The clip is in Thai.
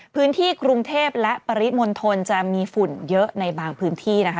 พื้นที่กรุงเทพและปริมณฑลจะมีฝุ่นเยอะในบางพื้นที่นะคะ